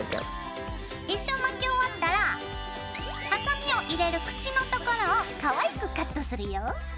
一周巻き終わったらハサミを入れる口のところをかわいくカットするよ。